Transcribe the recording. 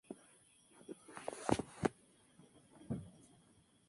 En el diseño del Jardín botánico participó el Prof.